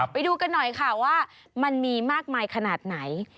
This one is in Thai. ไปดูกันหน่อยค่ะว่ามันมีมากมายขนาดไหน